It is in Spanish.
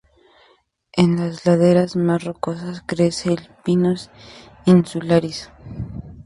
En las laderas más rocosas crece el Pinus insularis.